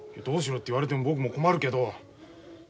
どうしろって言われても僕も困るけど。